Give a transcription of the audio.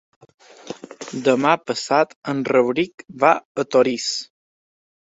Demà passat en Rauric va a Torís.